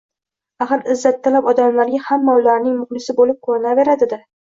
Axir, izzattalab odamlarga hamma ulaming muxlisi bo‘lib ko‘rinaveradi-da.